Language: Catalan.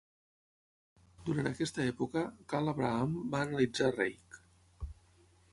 Durant aquesta època, Karl Abraham va analitzar Reik.